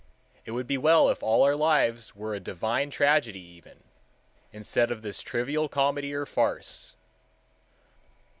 It would be well if all our lives were a divine tragedy even, instead of this trivial comedy or farce.